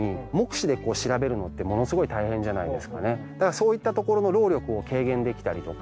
そういったところの労力を軽減できたりとか。